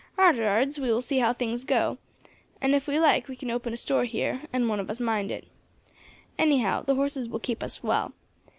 Arterards we will see how things go, and if we like we can open a store here, and one of us mind it. Anyhow the horses will keep us well.